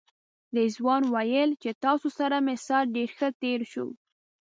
رضوان ویل چې تاسو سره مې ساعت ډېر ښه تېر شو.